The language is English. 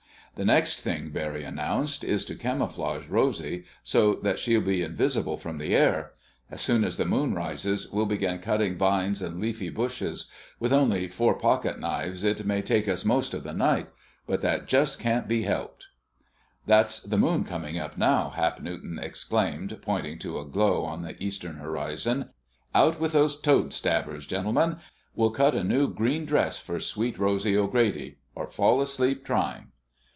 "The next thing," Barry announced, "is to camouflage Rosy so that she'll be invisible from the air. As soon as the moon rises, we'll begin cutting vines and leafy bushes. With only four pocket knives, it may take us most of the night, but that just can't be helped." [Illustration: Ravenous Appetites Made the Dinner a Success] "There's the moon coming up now!" Hap Newton exclaimed, pointing to a glow on the eastern horizon. "Out with those toadstabbers, gentlemen! We'll cut out a new green dress for Sweet Rosy O'Grady—or fall asleep trying!"